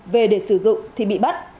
về để sử dụng thì bị bắt